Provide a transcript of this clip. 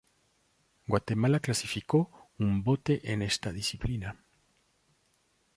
Guatemala clasificó un bote en esta disciplina.